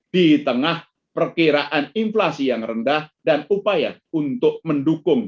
di tengah perkiraan inflasi yang rendah dan upaya untuk mendukung